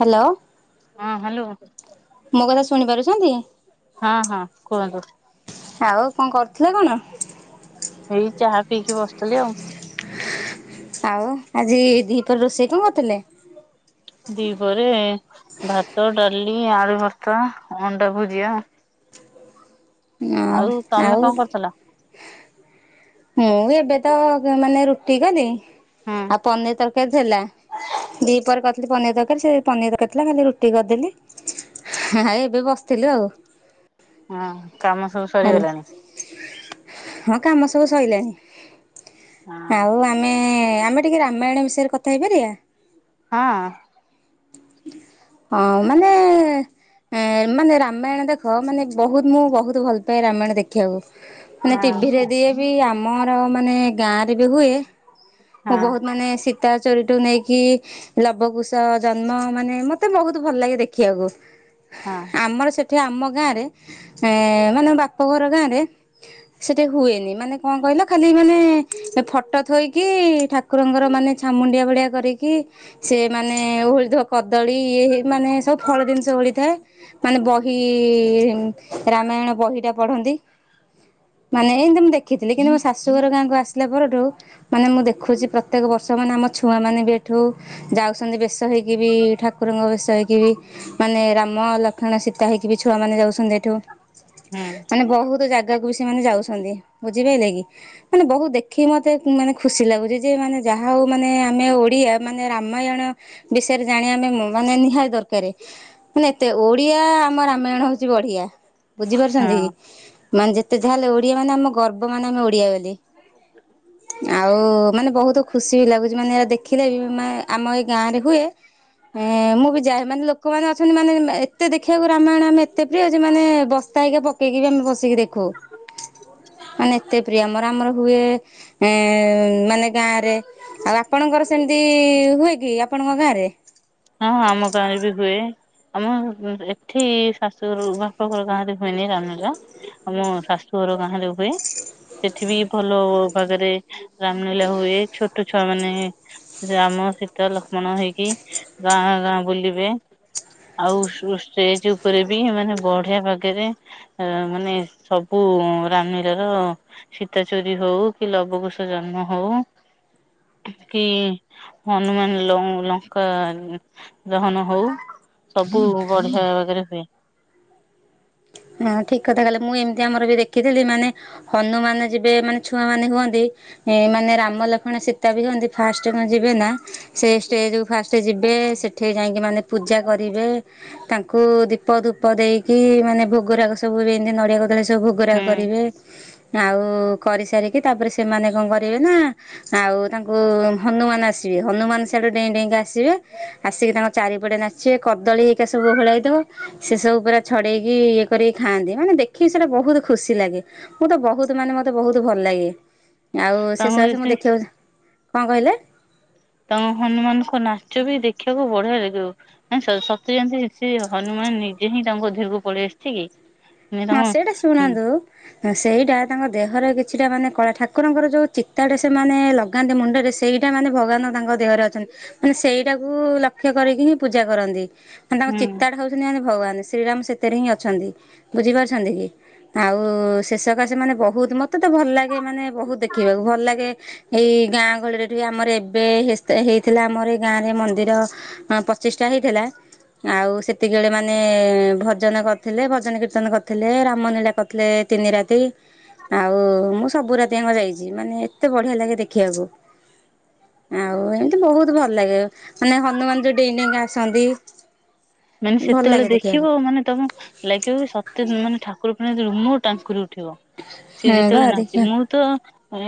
Hello. ହଁ hello ଶୁଣିପାରୁଛନ୍ତି? ହଁ ହଁ କୁହନ୍ତୁ। ଆଉ କଁ କରୁଥୁଲେ କଣ? ଏଇ ଚାହା ପିଇକି ବସିଥିଲି ଆଉ। ଆଉ ଆଜି ଦିହିପର ରୋଷେଇ କଁ କରିଥିଲେ? ଦିପହରେ ଭାତ ଡାଲି ଆଳୁ ଭର୍ତ୍ତା ଅଣ୍ଡା ଭୁଜିଆ ଆଉ ହୁଁ ତମେ ଆଉ କଣ କରୁଥିଲ? ମୁଁ ଏବେ ତ ମାନେ ରୁଟି କଲି ହୁଁ ଆଉ ପନିର ତରକାରୀ ଥିଲା। ଦିପହରେ କରିଥିଲି ପନିର ତରକାରୀ ସେ ପନିର ତରକାରୀ ଥିଲା ଖାଲି ରୁଟି କରିଦେଲି ହା ହା ଏବେ ବସିଥିଲୁ ଆଉ। ହଁ କାମ ସବୁ ଭଲ ସରିଗଲାଣି। ହଁ କାମ ସବୁ ସଇଲାଣି। ହଁ ଆଉ ଆମେ ଆମେ ଟିକେ ରାମାୟଣ ବିଷୟରେ କଥା ହେଇପାରିଆ। ହଁ। ହଁ ମାନେ ଏ ମାନେ ରାମାୟଣ ଦେଖ ମାନେ ବହୁତ ମୁଁ ବହୁତ ଭଲ ପାଏ ରାମାୟଣ ଦେ ଖିଆକୁ ମାନେ ହଁ ଟିଭିରେ ଦିଏ ବି ଆମର ମାନେ ଗାଁରେ ବି ହୁଏ ହଁ ମୁଁ ହଁ ବହୁତ ମାନେ ସୀତା ଚୋରିଠୁ ନେଇକି ଲବକୁୁଶ ଜନ୍ମ ମାନେ ମତେ ବହୁତ ଭଲ ଲାଗେ ଦେଖିଆକୁ। ହଁ। ଆମର ସେଠି ଆମ ଗାଁରେ ଏ ମାନେ ବାପଘର ଗାଁରେ ସେଠି ହୁଏନି। ମାନେ କଣ କହିଲ ଖାଲି ମାନେ ଫଟୋ ଥୋଇକି କି ଠାକୁରଙ୍କର ମାନେ ଛାମୁଣ୍ଡିଆ ଭଳିଆ କରିକି ସେ ମାନେ ଓହୋଳିଥିବା କଦଳୀ ଇଏ ମାନେ ସବୁ ଫଳ ଜିନିଷ ଓଳିଥାଏ। ମାନେ ବହି ରାମାୟଣ ବହିଟା ପଢନ୍ତି। ମାନେ ଏନ୍ତି ମୁଁ ଦେଖିଥିଲି କିନ୍ତୁ ମୋ ଶାଶୁଘର ଗାଁକୁ ଆସିଲା ପରଠୁ ମାନେ ମୁଁ ଦେଖୁଛି ପ୍ରତ୍ୟେକ ବର୍ଷ ମାନେ ଆମ ଛୁଆମାନେ ବି ଏଠୁ ଯାଉଛନ୍ତି ବେଶ ହେଇକି ବି ଠାକୁରଙ୍କ ଭେଷ ହେଇକି ମାନେ ରାମ ଲକ୍ଷ୍ମଣ ସୀତା ହେଇକି ବି ଛୁଆ ମାନେ ଯାଉଛନ୍ତି ଏଠୁ। ହୁଁ ମାନେ ବହୁତ ଜା କୁ ବି ସେମାନେ ଯାଉଛନ୍ତି ବୁଝିପାରିଲେ କି ମାନେ ବହୁତ ଦେଖିକି ମତେ ମାନେ ଖୁ ପୁରା ଖୁସି ଲାଗୁଛି ଯେ ମାନେ ଯାହା ହେଉ ମାନେ ଆମେ ଓଡ଼ିଆ ମାନେ ରାମାୟଣ ବିଷୟରେ ଜାଣି ଆମେ ମୁଁ ମାନେ ନିହାତି ଦରକାରେ ମାନେ ଏତେ ଓଡିଆ ଆମ ରାମାୟଣ ହଉଛି ବଢିଆ। ବୁଝିପାରୁଛନ୍ତି ହଁ କି ମାନେ ଯେତେ ଯାହା ହେଲେ ଓଡିଆ ମାନେ ଆମ ଗର୍ବ ମାନେ ଆମେ ଓଡିଆ ବୋଲି। ଆଉ ମାନେ ବହୁତ ଖୁସି ବି ଲାଗୁଛି ମାନେ ଏ ଦେଖିଲେ ବି ଆମ ଏଇ ଗାଁ ରେ ହୁଏ। ମୁଁ ବି ଯାଏ ମାନେ ଲୋକମାନେ ଅଛନ୍ତି ମାନେ ଏତେ ଦେଖିବାକୁ ରାମାୟଣ ଆମେ ଏତେ ପ୍ରିୟ ଯେ ମାନେ ବ ତାହି ପକେଇକି ବି ଆମେ ବସିକି ଦେଖୁ ମାନେ ଏତେ ପ୍ରିୟ ଆମର ଆମର ହୁଏ ଏ ମାନେ ଗାଁରେ ଆଉ ଆପଣଙ୍କର ସେମିତି ହୁଏ କି ଆପଣଙ୍କ ଗାଁରେ। ହଁ ଆମ ଗାଁରେ ବି ହୁଏ। ଆମ ଏଠି ଶାଶୁଘରୁ ବାପ ଘର ଗାଁରେ ହୁଏନି ରାମା। [unintelligible] ଆମ ଶାଶୁ ଘର ଗାଁରେ ହୁଏ। ସେଠି ବି ଭଲ ଭାବରେ ରାମଲୀଳା ହୁଏ ଛୋଟ ଛୁଆ ମାନେ ରାମ ସୀତା ଲକ୍ଷ୍ମଣ ହେଇକି ଗାଁ ଗାଁ ବୁଲିବେ। ଆଉ ଶୁ ଷ୍ଟେଜ ଉପରେ ବି ମାନେ ବଢିଆ ପାଗରେ ଏ ମାନେ ସବୁ ରାମୀରା ର ସୀତା ଚୋରୀ ହଉ କି ଲବ କୁଷ ଜନ୍ମ ହଉ କି ହନୁମାନ ଲ ଲଙ୍କା ହନ ହଉ ସବୁ ବଢିଆ ଭାବରେ ହୁଏ। ହଁ ଠିକ କଥା କହିଲେ ମୁଁ ଏମିତି ଆମର ବି ଦେଖିଥିଲି ମାନେ ହନୁମାନ ଯିବେ ମାନେ ଛୁଆ ମାନେ ହୁଅନ୍ତି। ମାନେ ରାମ ଲକ୍ଷ୍ଣ ସୀତା ବି ହୁଅନ୍ତି ଫାଷ୍ଟ କଣ ଯିବେ ନା ସେଇ ଷ୍ଟେଜ ଉ ଫାଷ୍ଟ ଯିବେ ସେଠି ଯାଇକି ମାନେ ପୂଜା କରିବେ ତାଙ୍କୁ ଦୀପ ଧୂ ପ ଦେଇକି ମାନେ ଭୋଗରାଗ ସବୁ ଏମିତି ନଡିଆ କୋଦଳୀ ସବୁ ଭୋଗରାଗ ହୁଁ କରିବେ। ଆଉ କରିସାରିକି ତାପରେ ସେମାନେ କଣ କରିବେ ନା ଆଉ ତାଙ୍କୁ ହନୁମାନ ଆସିବେ ହନୁମାନ ସେଆଡୁ ଡେଇଁ ଡେଇଁକି ଆସିବେ। ଆସିକି ତାଙ୍କ ଚାରିପଟେ ନାଚିବେ କଦଳୀ ହେଇକା ସବୁ ଓହଳେଇ ଦବ ସେଇ ସବୁ ପୁରା ଛଡେଇକି ଇଏ କରିକି ଖାଆନ୍ତି ମାନେ ଦେଖିକି ସେଇଟା ବୋହୁତ ଖୁସି ଲାଗେ ମୁଁ ତ ବୋହୁତ ମାନେ ମତେ ବୋହୁତ ଭଲ ଲାଗେ। ଆଉ ଶେଷ ଆସ ମୁଁ ତାଙ୍କୁ ଦେଖିବାକୁ କଣ କହିଲେ? ତାଙ୍କୁ ହନୁମାନଙ୍କ ସେ ନାଚ ବି ଦେଖିବାକୁ ବଢିଆ ଲାଗିବ। ନା ସ ସତେ ଯେନ୍ତି ସେ ହନୁମାନ ନିଜେ ହିଁ ତାଙ୍କ ଦେହକୁ ପଳେଇ ଆସିଛି କି। ମାନେ ହଁ ତାଙ୍କ ସେଇଟା ହୁଁ ଶୁଣନ୍ତୁ ନା ସେଇଟା ତାଙ୍କ ଦେହର କିଛିଟା ମାନେ କଳା ଠାକୁରଙ୍କର ଯୋଉ ଚିତାଟେ ସେମାନେ ଲ ଗାନ୍ତି ମୁଣ୍ଡରେ ସେଇଟା ମାନେ ଭଗବାନ ତାଙ୍କ ଦେହରେ ଅଛନ୍ତି ମାନେ ସେଇଟାକୁ ଲକ୍ଷ୍ୟ କରିକି ହିଁ ପୂଜା କରନ୍ତି ମାନେ ତାଙ୍କ ଚିତାଟା ହୋଉ ଚନ୍ତି ଭଗବାନେ ଶ୍ରୀରାମ ସେଥିରେ ହିଁ ଅଛନ୍ତି। ବୁଝିପାରୁଛନ୍ତି କି ଆଉ ଶେଷକା ସେ ମାନେ ବୋହୁତ ମତେ ତ ଭଲ ଲାଗେ ମାନେ ବୋହୁତ ଦେଖିବାକୁ ଭଲ ଲାଗେ ଏଇ ଗାଁ ଗହଳିରେ ଠୁବି ଆମର ଏବେ ହେସ୍ ତା ହେଇଥିଲା ଆମର ଏଇ ଗାଁରେ ମନ୍ଦିର ହଁ ପଚିଶଟା ହେଇଥିଲା ଆଉ ସେତିକିି ବେଳେ ମାନେ ଭଜନ କରିଥିଲେ ଭଜନ କିର୍ ର୍ତନ କରିଥିଲେ ରାମ ଲୀଳା କରିଥିଲେ ତିନି ରାତି ଆଉ ମୁଁ ସବୁ ରାତିଆଙ୍କ ଯାଇଚି ମାନେ ଏତେ ବଢିଆ ଲାଗେ ଦେଖିବାକୁ। ଆଉ ଏମତି ବୋହୁତ ଭଲ ଲାଗେ ମାନେ ହନୁମାନ ଯୋଉ ଡେଇଁ ଡେଇଁକା ଆସନ୍ତି ମାନେ ଭଲ ସେତେବେଳେ ଲାଗେ ଦେଖିବାକୁ ଦେଖିବ ମାନେ ତମ ଲାଗିବ ସତରେ ମାନେ ଠାକୁର ପୁରା ରୁମ ଟାଙ୍କୁରି ଉଠିବ ସିଏ ହଁ ବା ଯେତେବେଳେ ନାଚିବ ଦେଖିବା ମୁଁ ତ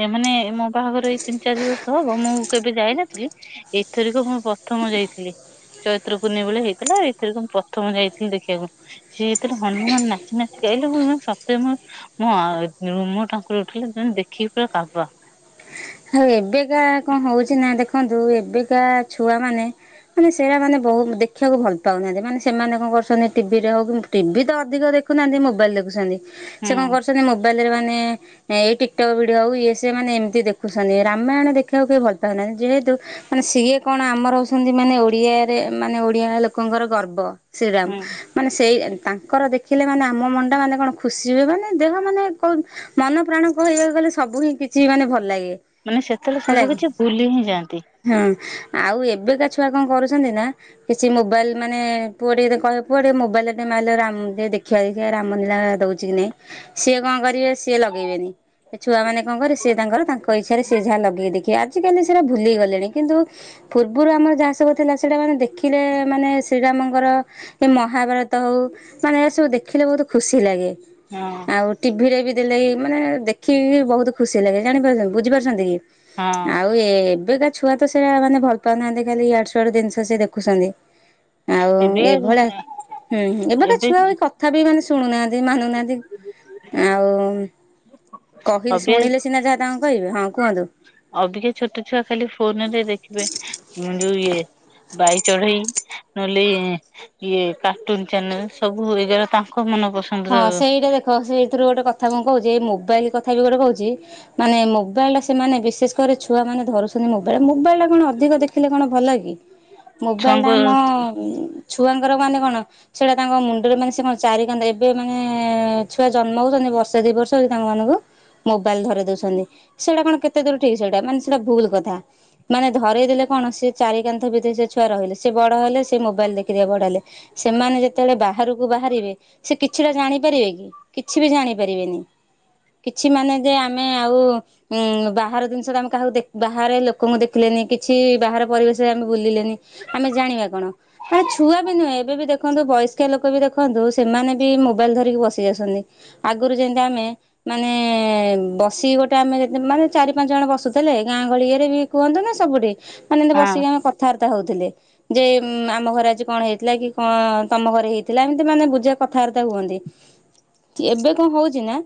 ଏ ମାନେ ମୋ ବାହାଘର ଏଇ ତିନି ଚାରି ବର୍ଷ ହବ ମୁଁ କେବେ ଯାଇନ ଥିଲି ଏଥରିକ ମୁଁ ପ୍ରଥମ ଯାଇଥିଲି ଚୈତ୍ର ପୂର୍ଣ୍ଣିମା ବେଳେ ହେଇଥିଲା ଏ ଏଥରକ ମୁଁ ପ୍ରଥମ ଯାଇଥିଲି ଦେଖିବାକୁ ସିଏ ଯେତେବେଳେ ହନୁମାନ ନାଚି ନାଚି କି ଆଇଲେ ମୁଁ ମୋ ସତେ ମୋ ମୋ ରୁମ ଟାଙ୍କୁର ଉଠିଲା ଦେଖିକି ପୁରା କାବା। ଆଉ ଏବେକା କଣ ହୋଉଚି ନା ଦେଖନ୍ତୁ ଏବେକା ଛୁଆମାନେ ମାନେ ସେଡା ମାନେ ବୋହୁତ ଦେଖିବାକୁ ଭଲ ପାଉନାହାନ୍ତି ମାନେ ସେମାନେ କଣ କରୁଛନ୍ତି ଟିଭିରେ ହୋଉ କି ଟିଭି ତ ଅଧିକ ଦେଖୁନାହାନ୍ତି ମୋବାଇଲ ଦେଖୁଚନ୍ତି। ସେ ହୁଁ କଣ କରୁଛନ୍ତି ମୋବାଇଲରେ ମାନେ ଏଇ ଟିକଟକ୍ ଭିଡିଓ ହୋଉ ଇଏ ସିଏ ମାନେ ଏମତି ଦେ ଦେଖୁଛନ୍ତି ରାମାୟଣ ଦେଖିବାକୁ କେହି ଭଲ ପାଉନାହାନ୍ତି ଯେହେତୁ ମାନେ ସିଏ କଣ ଆମର ହୋଉଛନ୍ତି ମାନେ ଓଡିଆରେ ମାନେ ଓଡିଆ ଲୋକଙ୍କର ଗର୍ବ। ହୁଁ। ଶ୍ରୀରାମ ମାନେ ସେଇ ତାଙ୍କର ଦେଖିଲେ ମାନେ ଆମ ମନଟା ମାନେ କଣ ଖୁସି ହୁଏ ମାନେ ଦେହ ମାନେ କ ମନ ପ୍ରାଣ କହିବାକୁ ଗଲେ ସବୁ ହିଁ କିଛି ମାନେ ଭଲ ଲାଗେ। ମାନେ ସେତେବେଳେ ହେଲା ସବୁ କି କିଛି ଭୁଲି ହିଁ ଯାଆନ୍ତି। ହଁ ଆଉ ଏବେକା ଛୁଆ କଣ କରୁଛନ୍ତି ନା କିଛି ମୋବାଇଲ ମାନେ ପୁଅ ଟିକେ ତାକୁ କହିବ ପୁଅ ଟିକେ ମୋବାଇଲରେ ଟିକେ ମାଇଲୁ ରାମ ଟିକେ ଦେଖ ଖିଆ ଦେଖିଆ ରାମ ଲୀଳା ଦୋଉଛି କି ନାଇଁ ସିଏ କଣ କରିବେ ସିଏ ଲଗେଇବେନି। ସେ ଛୁଆମାନେ କଣ କରିଏ ସିଏ ତାଙ୍କର ତାଙ୍କ ଇଚ୍ଛାରେ ସିଏ ଯାହା ଲଗେଇ ଦେଖିଏ ଆଜିିକାଲି ସେରା ଭୁଲି ଗଲେଣି କିନ୍ତୁ ପୂର୍ବୁରୁ ଆମର ଯାହା ସବୁ ଥିଲା ସେଇଟା ମାନେ ଦେଖିଲେ ମାନେ ଶ୍ରୀରାମଙ୍କର କି ମହାଭାରତ ହୋଉ ମାନେ ଏରା ସବୁ ଦେଖିଲେ ବୋହୁତ ଖୁସି ଲାଗେ। ହଁ ଆଉ ଟିଭିରେ ବି ଦେଲେ ବି ମାନେ ଦେଖିକି ବି ବୋହୁତ ଖୁସି ଲାଗେ ଜାଣିପାରୁଚନ୍ତି। ବୁଝିପାରୁଛନ୍ତି କି? ହଁ। ଆଉ ଏ ଏବେକା ଛୁଆ ତ ସେରା ମାନେ ଭଲ ପାଉନାହାନ୍ତି ଖାଲି ଇଆଡୁ ସିଆଡୁ ଦିନଷ ସିଏ ଦେଖୁଛନ୍ତି। ଆଉ ଏବେ ଏଭଳିଆ ହୁଁ ଏବେକା ଏବେ ଛୁଆ ବି କ କଥା ବି ମାନେ ଶୁଣୁ ନାହାନ୍ତି ମାନୁ ନାହାନ୍ତି ଆଉ କହିଲେ ଅବେ ଶୁଣିଲେ ସିନା ଯାହା ତାଙ୍କୁ କହିବେ ହଁ କୁହନ୍ତୁ। ଅବିକା ଛୋଟ ଛୁଆ ଖାଲି ଫୋନରେ ଦେଖିବେ ଯୋଉ ଇଏ ବାଇ ଚଢେଇ ନହେଲେ ଇଏ କାର୍ଟୁନ ଚ୍ୟାନେଲ ସବୁ ଏ ଯୋଉରା ତାଙ୍କ ମନ ପସ ହଁ ସେଇଟା ଦେଖ ସେଇଥିରୁ ଗୋଟେ କଥା ମୁଁ କୋହୁଚି ଏଇ ମୋବାଇଲ କଥା ବି ଗୋଟେ କୋହୁଚି ମାନେ ମୋବାଇଲଟା ସେମାନେ ବିଶେଷ କରି ଛୁଆମାନେ ଧରୁଛନ୍ତି ମୋବାଇଲଟା ମୋବାଇଲଟା କଣ ଅଧିକ ଦେଖିଲେ କଣ ଭଲ କି। [unintelligible] ମୋବାଇଲ ଛୁଆଙ୍କ ଟା ଆମ ହଁ ଛୁଆଙ୍କର ମାନେ କଣ ସେଟା ତାଙ୍କ ମୁଣ୍ଡରେ ମାନେ ସେ କଣ ଚାରି କାନ୍ଦ ଏବେ ମାନେ ଛୁଆ ଜନ୍ମ ହଉଛନ୍ତି ବର୍ଷେ ଦି ବର୍ଷ ହେଉଛି ତାଙ୍କ ମାନଙ୍କୁ ମୋବାଇଲ ଧରେଇ ଦଉଛନ୍ତି ସେଇଟା କଣ କେତେ ଦୂର ଠିକ୍ ସେଇଟା ମାନେ ସେଇଟା ଭୁଲ କଥା। ମାନେ ଧରେଇ ଦେେଲେ କଣ ସେ ଚାରି କାନ୍ଥ ଭିତରେ ସେ ଛୁଆ ରହିଲେ ସେ ବଡ଼ ହେଲେ ସେ ମୋବାଇଲ ଦେଖି ଦେଖି ବଡ ହେଲେ। ସେମାନେ ଯେତେବେଳେ ବାହାରକୁ ବାହାରିବେ ସେ କିଛିଟା ଜାଣିପାରିବେ କି କିଛି ବି ଜାଣିପାରିବେନି। କିଛି ମାନେ ଯେ ଆମେ ଆଉ ଉଁ ବାହାର ଜିନିଷ ତ ଆମେ କାହାକୁ ବାହାରେ ଲୋକଙ୍କୁ ଦେଖିଲେନି କିଛି ବାହାର ପରିବେଶରେ ଆମେ ବୁଲିଲେନି। ଆମେ ଜାଣିବା କଣ ମାନେ ଛୁଆ ବି ନୁହେଁ ଏବେ ବି ଦେଖନ୍ତୁ ବୟସ୍କି ଲୋକ ବି ଦେଖନ୍ତୁ ସେମାନେ ବି ମୋବାଇଲ ଧରିକି ବସି ଯାଇଛନ୍ତି ଆଗରୁ ଯେମିତି ଆମେ ମାନେ ବସି ଗୋଟେ ଆମେ ମାନେ ଚାରି ପାଞ୍ଚ ଜଣ ବସୁଥିଲେ ଗାଁ ଗହଳିରେ ବି କୁହନ୍ତୁ ନା ସବୁଠି ମାନେ ଏମିତି ବସିକି ଆମେ କଥାବାର୍ତ୍ତା ହଉଥିଲେ ଯେ ଆମ ଘରେ ଆଜି କଣ ହେଇଥିଲା କି କଣ ତମ ଘରେ ହେଇ ଥିଲା ଏମିତି ମାନେ ବୁଝା କଥାବାର୍ତ୍ତା ହୁଅନ୍ତି ଏବେ କଣ ହଉଛି ନା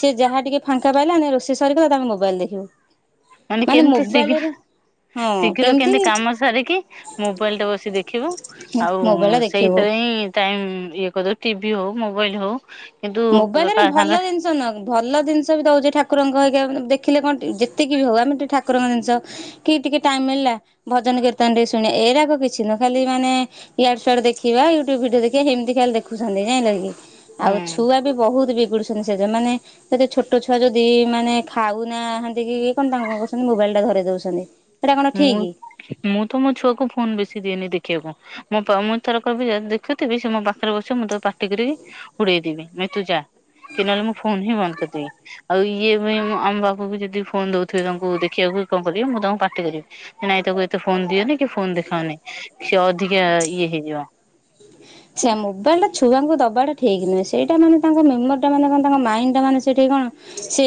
ସେ ଯାହା ଟିକେ ଫାଙ୍କା ପାଇଲା ମାନେ ରୋଷେଇ ସରିଗଲା ତଙ୍କେ ମୋବାଇଲ ଦେଖିବେ। ମାନ କେମତି ଶୀଘ୍ର ହଁ ଶୀଘ୍ର କେମତି କାମ କେମିତି ସାରିକି ମୋବାଇଲଟା ବସି ଦେଖିବୁ। ଆଉ ମୋବାଇଲ ଦେଖିବୁ ସେଇଥେରେ ହିଁ ଟାଇମ ଇଏ କରିଦଉ ଟିଭି ହଉ ମୋବାଇଲ ହଉ କିନ୍ତୁ ମୋବାଇଲରେ କା ଭଲ ସାଙ୍ଗେ ଜିନିଷ ଭଲ ଜିନିଷ ବି ଦଉଚି ଠାକୁରଙ୍କ ହେଇ ଦେଖିଲେ କଣ ଯେତିକି ବି ହଉ ଆମେ ଟିକେ ଠାକୁରଙ୍କ ଜିନଷ କି ଟିକେ ଟାଇମ ମିଳିଲା ଭଜନ କୀର୍ତ୍ତନଟିକେ ଶୁଣି ଏଇରାକ କିଛି ନୁହେଁ ଖାଲି ମାନେ ୟାଡୁ ସ୍ୟାଡୁ ଦେଖିବା ୟୁୁବ ଭିଡିଓ ଦେଖିବା ସେମିତି ଖାଲି ଦେଖୁଛନ୍ତି ଜାଇଁଲକି? ହୁଁ ଛୁଆ ବି ବହୁତ ବିଗୁଡ଼ୁସନ୍ତି ସେଇଠେ ମାନେ ଯଦି ଛୋଟ ଛୁଆ ଯଦି ମାନେ ଖାଉନାହାଁନ୍ତି କି କଣ ତାଙ୍କୁ କଣ କରୁଛନ୍ତି ମୋବାଇଲଟା ଧରେଇ ଦଉଛନ୍ତି। ଏଇଟା କଣ ମୁଁ ଠିକ ମୁଁ ତ ମୋ ଛୁଆକୁ ଫୋନ ବେଶୀ ଦିଏନି ଦେଖିବାକୁ। ମୋ ମୁଁ ଥର କହିବି ଦେଖୁଥିବି ସେ ମୋ ପାଖରେ ବସିବ ମୁଁ ତାକୁ ପାଟି କରିବି। ଉଡେଇଦବି ନଁ ତୁ ଯା କି ନହେଲେ ମୁଁ ଫୋନ ହିଁ ବନ୍ଦ କରିଦେବି। ଆଉ ଇଏ ବି ଆମ ବାକୁ ବି ଯଦି ଫୋନ ଦଉଥିବେ ତାଙ୍କୁ ଦେଖିବାକୁ କଣ କରିବି ମୁଁ ତାଙ୍କୁ ପା ପାଟି କରିବି ନାଇଁ ତାକୁ ଏତେ ଫୋନ ଦିଅନି କି ଫୋନ ଦେଖାଅନି ସେ ଅଧିକା ଇଏ ହେଇଯିବ। ସେଇଆ ମୋବାଇଲଟା ଛୁଆଙ୍କୁ ଦବାଟା ଠିକ ନୁହେଁ ସେଇଟା ମାନେ ତାଙ୍କ ମେମୋରିଟା ମାନେ କଣ ତାଙ୍କ ମାଇଣ୍ଡଟା ମାନେ ସେଇଠି କଣ ସେ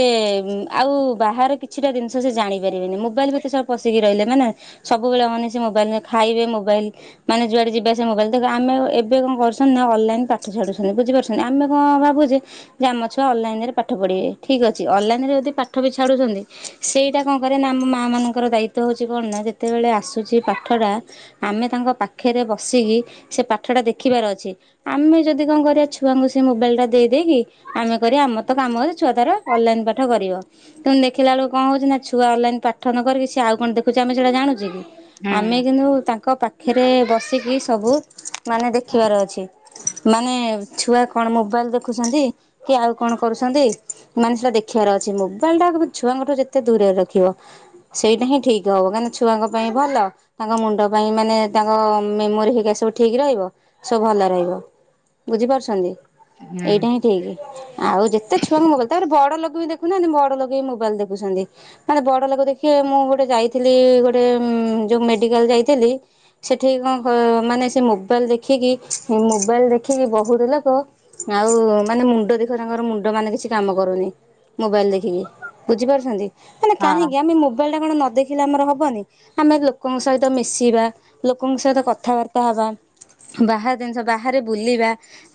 ଆଉ ବାହାରେ କି କିଛିଟା ଜିନଷ ସେ ଜାଣିପାରିବେନି ମୋବାଇଲ ଭିତରେ ଛୁଆ ପଶିକି ରହିଲେ ମାନେ ସବୁବେଳେ ମାନେ ସେ ମୋବାଇଲ ଖାଇବେ ମୋବାଇଲ ମାନେ ଯୁଆଡେ ଯିବାସେ ମୋବାଇଲ ଦେଖ ଆମେ ଏବେ କଣ କରୁଛନ୍ତି ନା ଅନଲାଇନ୍ ପାଠ ଛାଡୁସନ୍ତି ବୁଝିପାରୁଛନ୍ତି ଆମ କଣ ଭାବୁଛେ ଆମ ଛୁଆ ଅଲଲାଇନ ରେ ପାଠ ପଢିବେ ଠିକ ଅଛି ଅଲଲାଇନ ରେ ଯଦି ପାଠ ବି ଛାଡୁଛନ୍ତି ସେଇଟା କଣ କରିଆ ନା ଆମ ମାଆ ମାନଙ୍କର ଦାୟିତ୍ୱ ହେଉଛି କଣ ନା ଯେତେବେଳେ ଆସୁଛି ପାଠଟା ଆମେ ତାଙ୍କ ପାଖରେ ବସିକି ସେ ପାଠଟା ଦେଖିବାର ଅଛି। ଆମେ ଯଦି କଣ କରିବା ଛୁଆଙ୍କୁ ସେ ମୋବାଇଲ ଟା ଦେଇଦେଇକି ଆମେ କରିବା ଆମର ତ କାମ ଛୁଆ ତାର ଅନଲାଇନ ପାଠ କରିବ। କିନ୍ତୁ ଦେଖିଲା ବେଳକୁ କଣଉଛି ନା ଛୁଆ ଅଲଲାଇନ୍ ପାଠ ନ କରିକିସିଏ ଆଉ କଣ ଦେଖୁଚି ଆମେ ସେଟା ଜାଣୁଚେ କି। ହୁଁ ଆମେ କିନ୍ତୁ ତାଙ୍କ ପାଖରେ ବସିକି ସବୁ ମାନେ ଦେଖିବାର ଅଛି। ମାନେ ଛୁଆ କଣ ମୋବାଇଲ ଦେଖୁଛନ୍ତି କି ଆଉ କଣ କରୁଛନ୍ତି ମାନେ ସେଟା ଦେଖିବାର ଅଛି ମୋବାଇଲ ଟା ଛୁଆଙ୍କଠୁ ଯେତେ ଦୂରରେ ରଖିବ। ସେଇଟା ହିଁ ଠିକ ହବ କାହିଁକିନା ଛୁଆଙ୍କ ପାଇଁ ଭଲ। ତାଙ୍କ ମୁଣ୍ଡ ପାଇଁ ମାନେ ତାଙ୍କ ମେମୋରି ହେଇିକା ସବୁ ଠିକ ରହିବ। ସବୁ ଭଲ ରହିବ ବୁଝିପାରୁଛନ୍ତି ହୁଁ ଏଇଟା ହିଁ ଠିକ ଆଉ ଯେତେ ଛୁଆଙ୍କ ମୋବାଇଲ ତାପରେ ବଡ ଲୋକ ବି ଦେଖୁନାହାନ୍ତି ବଡ ଲୋକ ବି ମୋବାଇଲ ଦେଖୁଛନ୍ତି। ମାନେ ବଡ ଲୋକ ଦେଖିବେ ମୁଁ ଗୋଟେ ଯାଇଥିଲି ଗୋଟେ ଯୋଉ ମେଡିକାଲ ଯାଇଥିଲି ସେଠି କଣ ମାନେ ସେ ମୋବାଇଲ ଦେଖି ଦେଖିକି ମୋବାଇଲ ଦେଖିକି ବହୁତ ଲୋକ ଆଉ ମାନେ ମୁଁ ଦେଖିବ ମୁଣ୍ଡ ତାଙ୍କର ମୁଣ୍ଡ ମାନେ କିଛି କାମ କରୁନି। ମୋବାଇଲ ଦେଖିକି ବୁଝିପାରୁଛନ୍ତି ମାନେ ହଁ କାହିଁକି ଆମେ ମୋବାଇଲଟା କଣ ନ ଦେ ଦେଖିଲେ ଆମର ହବନି ଆମେ ଲୋକଙ୍କ ସହିତ ମିଶିବା ଲୋକଙ୍କ ସହିତ କଥାବାର୍ତ୍ତା ହେବା। ବାହାର ଜିନିଷ ବାହାରେ ବୁଲିବା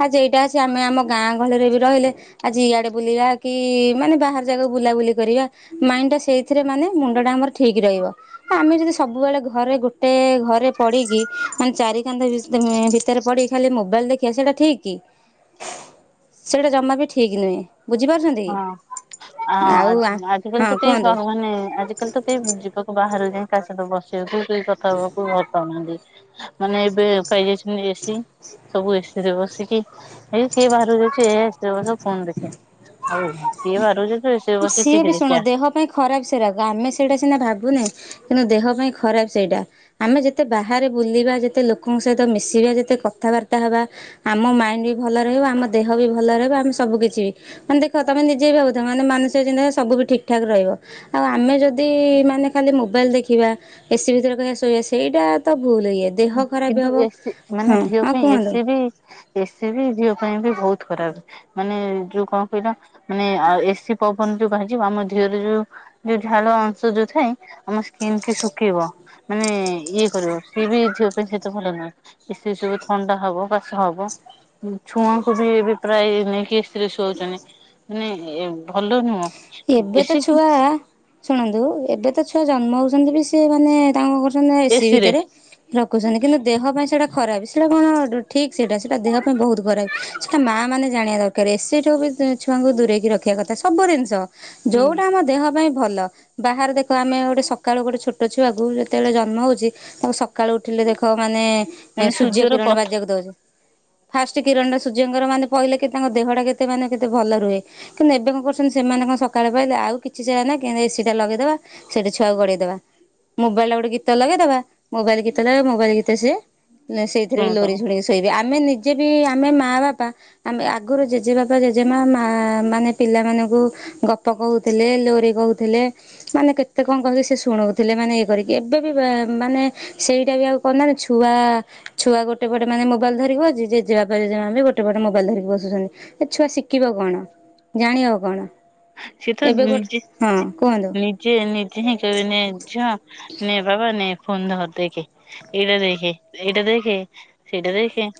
ଆଜି ଏଇଟା ଅ ଆମେ ଆମ ଗାଁ ଗହଳିରେ ବି ରହିଲେ ଆଜି ଇଆଡେ ବୁଲିବା କି ମାନେ ବାହାର ଜାଗାକୁ ବୁଲାବୁଲି କରିବା ମାଇଣ୍ଡଟା ସେଇଥିରେ ମାନେ ମୁଣ୍ଡଟା ଆମର ଠିକ ରହିବ। ଆମେ ଯଦି ସବୁବେଳେ ଘରେ ଗୋଟେ ଘରେ ପଡିକି ମାନେ ଚାରି କାନ୍ଦ ଭି ଭିତରେ ପଡି ଖାଲି ମୋବାଇଲ ଦେଖିବା ସେଇଟା ଠିକ କି? ସେଇଟା ଜମା ବି ଠିକ ନୁହେଁ ବୁଝିପାରୁଛନ୍ତି? କି ହଁ ଆଉ ଆଜିକାଲି ହଁ ତ କେହି କୁହନ୍ତୁ। ମାନେ ଆ କାଲି ତ କେହି ଯିବାକୁ ବାହାରେଯାଇ କାହା ସହିତ ବସିବାକୁ ସେ କଥା ହବାକୁ ଭଲ ପାଉନାହାନ୍ତି। ମାନେ ଏବେ ପାଇଯାଇଛନ୍ତି ଏସି। ସବୁ ଏସିରେ ବସିକି ଏଇ କିଏ ବାହାରୁକୁ ଯାଉଛି ଏ ଏସି ବସ ଫୋନ ଦେଖ। କିଏ ବାହାରକୁ ଯାଉଛି ଏସିରେ ବସି ଟିଭି ଦେଖିବା? ଖରାପ୍ ସେରା ଆମେ ସେଇଟା ସିନା ଭାବୁନେ କିନ୍ତୁ ଦେହ ପାଇଁ ଖରାପ୍ ସେଇଟା। ଆମେ ଯେତେ ବାହାରେ ବୁଲିବା ଯେତେ ଲୋକଙ୍କ ସହିତ ମିଶିବା ଯେତେ କଥାବାର୍ତ୍ତା ହେବା ଆମ ମାଇଣ୍ଡ ବି ଭଲ ରହିବ ଆମ ଦେହ ବି ଭଲ ରହିବ ଆମେ ସବୁ କିିଛି ମାନେ ଦେଖ ତମେ ନିଜେବି ଭାବୁଥା ମାନେ ମାନସିକ ଚିନ୍ତାରେ ସବୁ ଠିକ୍ ଠାକ୍ ରହିବ। ଆଉ ଆମେ ଯଦି ମାନେ ଖାଲି ମୋବାଇଲ୍ ଦେଖିବା। ଏସି ଭିତରେ କହିବା ଶୋଇବା ସେଇଟା ତ ଭୁଲ୍ ଇଏ ଦେହ ଖରାପ କିନ୍ତୁ ହେବ ଏସି ମାନେ ହଁ ଦିହ ଆଉ ପାଇଁ କୁହନ୍ତୁ। ଏସି ବି ଏସି ବି ଝିଅ ପାଇଁ ବି ବହୁତ୍ ଖରାପ୍ ମାନେ ଯୋଉ କଣ? କହିଲା ମାନେ ଏସିି ପବନ ଯୋଉ ବାଜିବ ଆମ ଦେହରେ ଯୋଉ ଯୋଉ ଝାଲ ଅଂଶ ଯୋଉ ଥାଏ ଆମର ସ୍କିନ୍ କି ଶୁଖେଇବ। ମାନେ ଇଏ କରିବ ସିଏ ବି ଦେହ ପାଇଁ ସେତ ଭଲ ନୁହେ ଏ ସବୁ ଥଣ୍ଡା ହବ କାଶ ହବ। ଛୁଆଙ୍କୁ ବି ଏବେ ପ୍ରାୟ ନେଇକି ଏସିରେ ଶୁଆଉଛନ୍ତି। ମାନେ ଏ ଭଲ ନୁହଁ ଏବେ ତ ଏସି ଛୁଆ ଶୁଣନ୍ତୁ ଏବେ ତ ଛୁଆ ଜନ୍ମ ହଉଛନ୍ତି ବି ସେ ମାନେ ତାଙ୍କ ଘରେ ମାନେ ଏସିି ଏସିରେ। ଭିତରେ ରଖୁଛନ୍ତି କିନ୍ତୁ ଦେହ ପାଇଁ ସେଇଟା ଖରାପ୍ ସେଇଟା କଣ ଠିକ୍ ସେଇଟା ସେଇଟା ଦେହ ପାଇଁ ବହୁତ୍ ଖରାପ୍ ସେଇଟା ମା ମାନେ ଜାଣିବା ଦର ଘରେ ଏସି ଠୁବି ଛୁଆଙ୍କୁ ଦୂରେଇକି ରଖିବା କଥା ସବୁ ଜିନିଷ ହୁଁ ଯୋଉଟା ଆମ ଦେହ ପାଇଁ ଭଲ ବାହାରେ ଦେଖ ଆମେ ଗୋଟେ ସକାଳୁ ଗୋଟେ ଛୋଟ ଛୁଆକୁ ଯେତେବେଳେ ଜନ୍ମ ହଉଛି ତାକୁ ସକ ସକାଳୁ ଉଠିଲେ ଦେଖ ମାନେ ମାନେ ସୂର୍ଯ୍ୟ ସୂର୍ଯ୍ୟର କିରଣ ପଥ ବାଜିବାକୁ ଦଉଛେ। ଫାଷ୍ଟ କିରଣଟା ସୂର୍ଯ୍ୟଙ୍କର ମାନେ ପଇଲେ କି ତାଙ୍କ ଦେହଟା କେତେ ମାନେ କେତେ ଭଲ ରୁହେ। କିନ୍ତୁ ଏବେ କଣ କରୁଛନ୍ତି ସେମାନେ କଣ ସ ସକାଳ ପାଇଲେ ଆଉ କିଛି ଜାଗା ନାହିଁ କେମିତି ଏସିଟା ଲଗେଇଦବା ସେଇଠି ଛୁଆ କୁ ଗଡେଇଦେବା। ମୋବାଇଲଟା ଗୋଟେ ଗୀତ ଲଗେଇଦବା ମୋବାଇଲ୍ ଗୀତ ଗାଇବ ମୋବାଇଲ୍ ଗୀତରେ ସେ ସେଇଥିରେ ଲୋରି ଶୁଣୁଥାଅ ଶୁଣେଇବେ। ସେଇବି ଆମେ ନିଜେ ବି ଆମେ ମା ବାପା ମାନେ ଆଗରୁ ଜେଜେବାପା ଜେଜେମା ମା ମାନେ ପିଲାମାନଙ୍କୁ ଗପ ଗପ କହୁଥିଲେ ଲୋରି କହୁଥିଲେ? ମାନେ କେତେ କଣ କରିକି ସେ ଶୁଣଉଥିଲେ ମାନେ ଇଏ କରିକି ଏବେ ବି ମାନେ ସେଇଟା ବି ଆଉ କରୁନାହନ୍ତି ଛୁଆ ଛୁଆ ଗୋଟେପଟେ ମାନେ ମୋବାଇଲ୍ ଧରିକି ବଇଛି ଜେଜେବାପା ଜେଜେମା ବି ଗୋଟେପଟେ ମୋବାଇଲ୍ ଧରିକ ବସୁଛନ୍ତି। ସେ ଛୁଆ ଶିଖିବ କଣ ଜାଣିବ କଣ? ସେ ତ ଏବେ ଗୋଟେ ନିଜେ ହଁ କୁହନ୍ତୁ। ନି ସିଏ ନିଜେ ହିଁ କହିବେ ନେ ଝିଅ ନେ ବାବା ନେ ଫୋନ୍ ଧଅ ଦେଖେ। ଏଇଟା ଦେଖେ ସେଇଟା ଦେଖେ ସେଇଟା ଦେଖେ